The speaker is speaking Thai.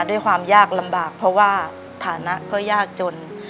ด้วยความยากลำบากเพราะว่าฐานะก็ยากจน